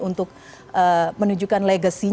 untuk menunjukkan legasi